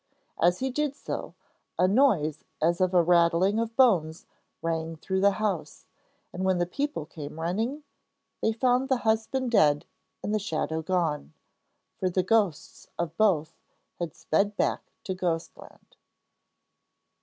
As he did so, a noise as of a rattling of bones rang through the house, and when the people came running, they found the husband dead and the shadow gone, for the ghosts of both had sped back to Ghostland.